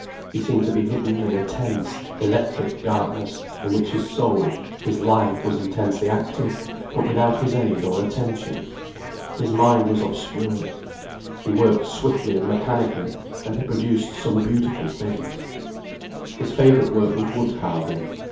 He seemed to be hidden in a tense, electric darkness, in which his soul, his life was intensely active, but without his aid or attention. His mind was obscured. He worked swiftly and mechanically, and he produced some beautiful things. His favourite work was wood carving.